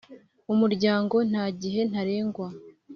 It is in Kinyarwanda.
Umuryango nta gihe ntarengwa